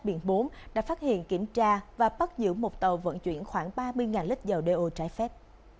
biển bốn đã phát hiện kiểm tra và bắt giữ một tàu vận chuyển khoảng ba mươi lít dầu đeo trái phép